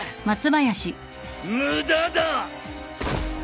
無駄だ！